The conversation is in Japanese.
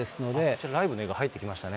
ちょっとライブの絵が入ってきましたね。